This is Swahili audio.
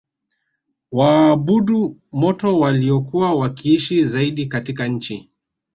waabudu moto waliokuwa wakiishi zaidi katika nchi